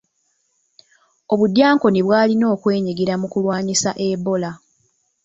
Obudyankoni bwalina okwenyigira mu kulwanyisa Ebola.